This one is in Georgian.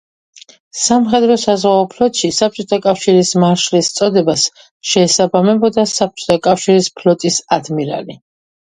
სამხედრო-საზღვაო ფლოტში საბჭოთა კავშირის მარშალის წოდებას შეესაბამებოდა საბჭოთა კავშირის ფლოტის ადმირალი.